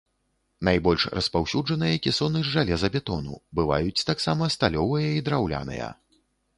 Найбольш распаўсюджаныя кесоны з жалезабетону, бываюць таксама сталёвыя і драўляныя.